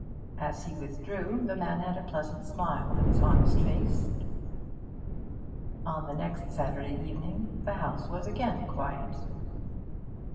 As he withdrew, the man had a pleasant smile on his honest face. On the next Saturday evening the house was again quiet.